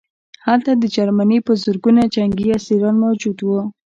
هلته د جرمني په زرګونه جنګي اسیران موجود وو